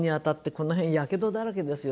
この辺やけどだらけですよ